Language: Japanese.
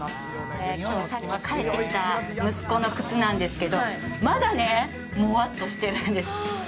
さっき帰ってきた息子の靴なんですけど、まだね、もわっとしてるんです。